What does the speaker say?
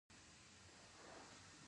په غم او ښادۍ کې.